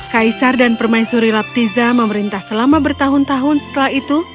kaisar dan permaisuri laptiza memerintah selama bertahun tahun setelah itu